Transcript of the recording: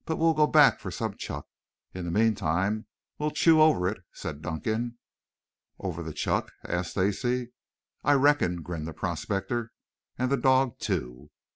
We'll go back for some chuck. In the meantime we'll chew over it," said Dunkan. "Over the chuck?" asked Stacy. "I reckon," grinned the prospector. "And the dog, too."